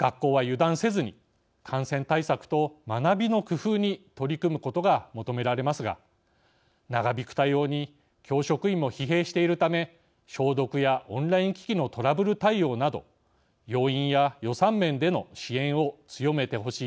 学校は油断せずに感染対策と学びの工夫に取り組むことが求められますが長引く対応に教職員も疲弊しているため消毒やオンライン機器のトラブル対応など要員や予算面での支援を強めてほしいと思います。